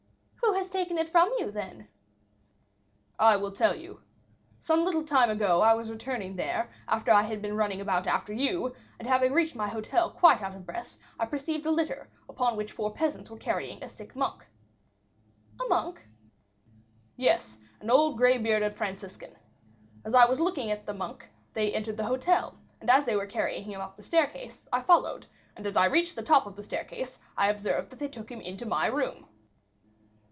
"Who has taken it from you, then?" "I will tell you. Some little time ago I was returning there, after I had been running about after you; and having reached my hotel quite out of breath, I perceived a litter, upon which four peasants were carrying a sick monk." "A monk?" "Yes, an old gray bearded Franciscan. As I was looking at the monk, they entered the hotel; and as they were carrying him up the staircase, I followed, and as I reached the top of the staircase I observed that they took him into my room."